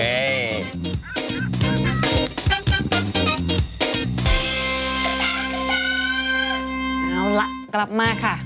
เอาล่ะกลับมาค่ะ